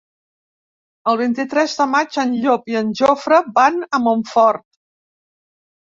El vint-i-tres de maig en Llop i en Jofre van a Montfort.